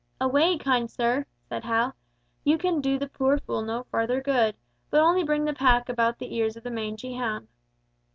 "Away, kind sir," said Hal, "you can do the poor fool no further good! but only bring the pack about the ears of the mangy hound."